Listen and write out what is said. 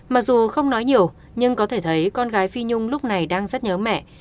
mặc dù không nói nhiều nhưng có thể thấy con gái phi nhung lúc này đang rất nhớ mẹ